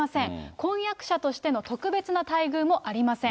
婚約者としての特別な待遇もありません。